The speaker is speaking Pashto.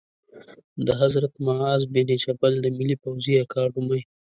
د حضرت معاذ بن جبل د ملي پوځي اکاډمۍ